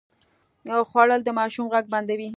خوړل د ماشوم غږ بندوي